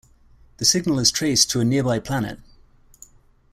The signal is traced to a nearby planet.